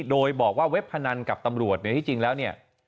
โดยบอกว่าเว็บพนันกับตำรวจที่จริงแล้วเนี่ย